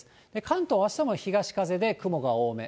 関東、あしたも東風で雲が多め。